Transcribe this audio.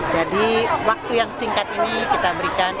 jadi waktu yang singkat ini kita berikan